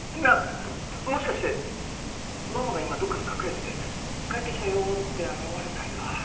なあもしかしてママが今どっかに隠れてて帰ってきたよ！って現れたりは？